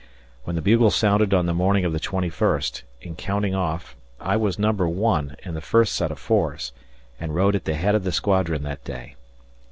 When the bugle sounded on the morning of the twenty first, in counting off, I was Number 1 in the first set of fours and rode at the head of the squadron that day.